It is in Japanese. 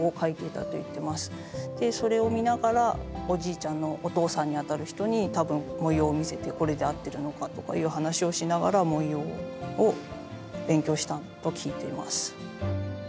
でそれを見ながらおじいちゃんのお父さんにあたる人に多分文様を見せてこれで合ってるのかとかいう話をしながら文様を勉強したと聞いています。